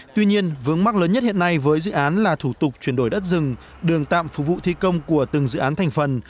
tuy nhiên vướng mắc lớn nhất hiện nay với dự án là thủ tục chuyển đổi đất rừng đường tạm phục vụ thi công của từng dự án thành phần